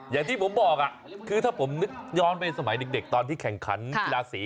อย่างที่ผมบอกคือถ้าผมนึกย้อนไปสมัยเด็กตอนที่แข่งขันกีฬาสี